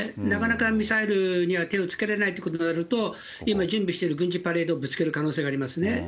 なかなかミサイルには手をつけれないということになると、今、準備してる軍事パレードをぶつける可能性がありますね。